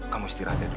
kamu istirahat ya dulu